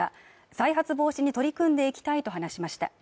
再発防止に取り組んでいきたいと話しました。